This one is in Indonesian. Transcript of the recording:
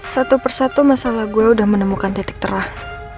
satu persatu masalah gue udah menemukan titik terang